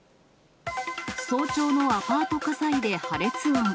早朝のアパート火災で破裂音。